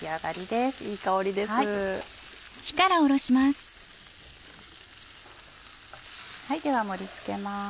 では盛り付けます。